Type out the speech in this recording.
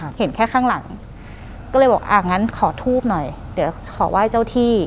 เห็นแค่ข้างหลังก็เลยบอกอ่างั้นขอทูบหน่อยเดี๋ยวขอไหว้เจ้าที่